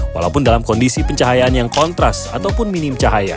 walaupun dalam kondisi pencahayaan yang kontras ataupun minim cahaya